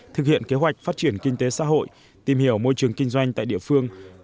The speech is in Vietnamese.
thực hiện kế hoạch phát triển kinh tế xã hội tìm hiểu môi trường kinh doanh tại địa phương